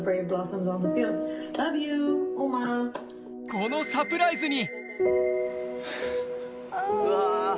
このサプライズに。